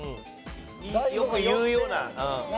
よく言うような。